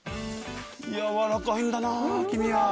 やわらかいんだな君は。